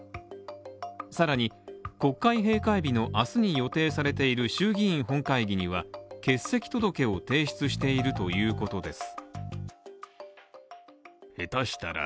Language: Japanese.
さらに、国会閉会日の明日に予定されている衆議院本会議には、欠席届を提出しているということです。